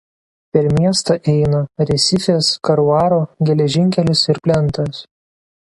Per miestą eina Resifės–Karuaru geležinkelis ir plentas.